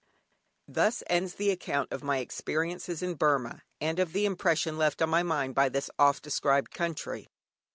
Thus ends the account of my experiences in Burmah, and of the impression left on my mind by this oft described country.